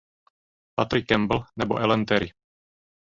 Patrick Campbell nebo Ellen Terry.